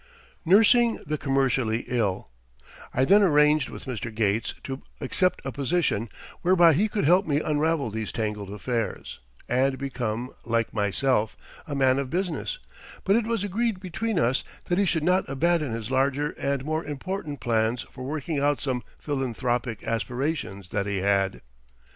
NURSING THE COMMERCIALLY ILL I then arranged with Mr. Gates to accept a position whereby he could help me unravel these tangled affairs, and become, like myself, a man of business, but it was agreed between us that he should not abandon his larger and more important plans for working out some philanthropic aspirations that he had.